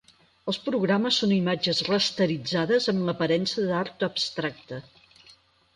Els programes són imatges rasteritzades amb l'aparença d'art abstracte.